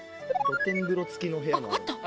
露天風呂付きの部屋。